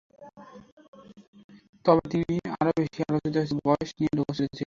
তবে তিনি আরও বেশি আলোচিত হয়েছেন বয়স নিয়ে লুকোচুরির চেষ্টা করে।